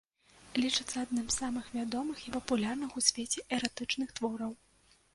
Лічыцца адным з самых вядомых і папулярных у свеце эратычных твораў.